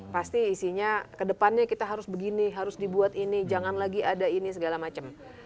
pasti isinya ke depannya kita harus begini harus dibuat ini jangan lagi ada ini segala macam